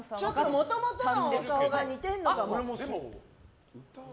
もともとのお顔が似てるのかも。